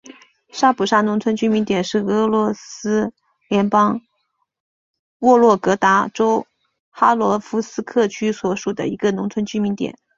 沙普沙农村居民点是俄罗斯联邦沃洛格达州哈罗夫斯克区所属的一个农村居民点。